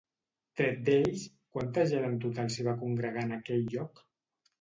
Tret d'ells, quanta gent en total s'hi va congregar en aquell lloc?